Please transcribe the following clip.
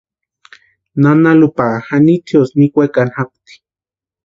Nana Lupanha Janitziosï nikwekani japti.